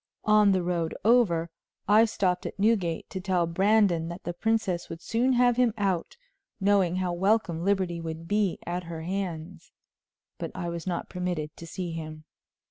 On the road over, I stopped at Newgate to tell Brandon that the princess would soon have him out, knowing how welcome liberty would be at her hands; but I was not permitted to see him.